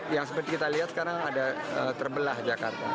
yang seperti kita lihat sekarang ada terbelah jakarta